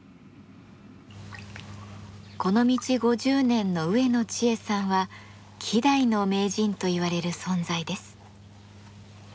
この道５０年の植野知恵さんは希代の名人といわれる存在です。